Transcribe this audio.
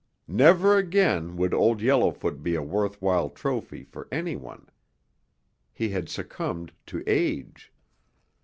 Never again would Old Yellowfoot be a worth while trophy for anyone. He had succumbed to age.